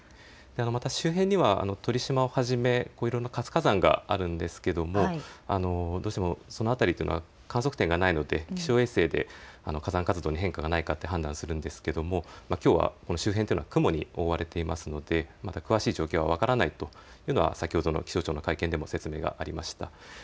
周辺には鳥島をはじめいろんな活火山があるんですけれどもどうしてもその辺りというのは観測点がないので気象衛星で火山活動に変化がないかと判断するんですけれど、きょうは周辺というのは雲に覆われていますので詳しい状況が分からないというのは先ほどの気象庁の会見でも説明がありました。